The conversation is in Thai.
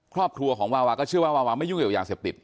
ครอบครัวของวาวาก็เชื่อว่าวาวาไม่ยุ่งเกี่ยวยาเสพติด